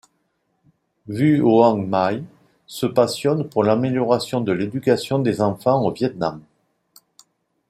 Vũ Hoàng My se passionne pour l'amélioration de l'éducation des enfants au Vietnam.